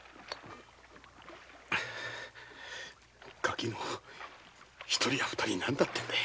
ガキの一人や二人がなんだってんだ。